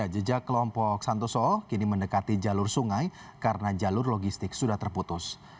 jejak kelompok santoso kini mendekati jalur sungai karena jalur logistik sudah terputus